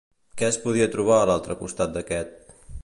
Què es podia trobar a l'altre costat d'aquest?